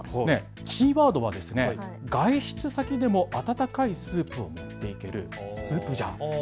キーワードは外出先でも温かいスープを持っていけるスープジャー。